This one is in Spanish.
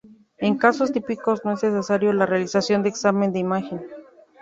En casos típicos no es necesario la realización de examen de imagen.